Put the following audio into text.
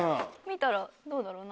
見たらどうだろうな。